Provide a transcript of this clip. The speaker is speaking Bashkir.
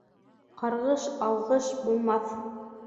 Ҡарғыш алғыш булмаҫ.